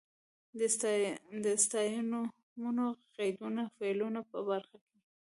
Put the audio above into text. د ستاینومونو، قیدونو، فعلونو په برخه کې.